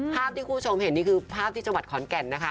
ภาพที่คุณผู้ชมเห็นนี่คือภาพที่จังหวัดขอนแก่นนะคะ